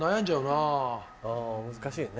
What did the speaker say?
あ難しいね。